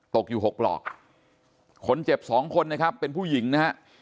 ตกอยู่หกปลอกคนเจ็บสองคนนะครับเป็นผู้หญิงนะฮะ